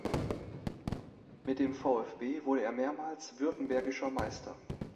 Mit dem VfB wurde er mehrmals Württembergischer Meister.